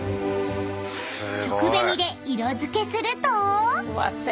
［食紅で色付けすると］